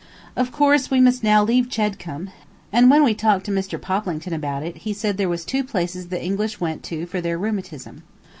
Of course, we must now leave Chedcombe; and when we talked to Mr. Poplington about it he said there was two places the English went to for their rheumatism.